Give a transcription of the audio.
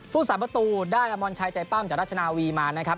ผู้สาประตูได้อมรชัยใจปั้มจากราชนาวีมานะครับ